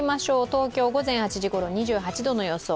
東京、午前８時ごろ、２８度の予想。